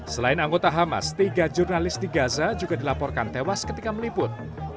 selain anggota hamas tiga jurnalis di gaza juga dilaporkan tewas ketika meliput